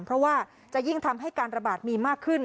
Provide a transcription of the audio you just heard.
เพราะว่าจะยิ่งทำให้การระบาดมีมากขึ้น